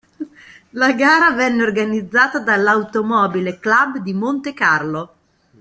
La gara venne organizzata dall'Automobile Club di Montecarlo.